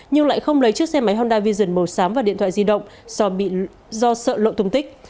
nhưng lại không lấy chiếc xe máy honda vision màu xám và điện thoại di động do sợ lộ thùng tích